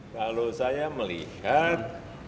kalau saya melihat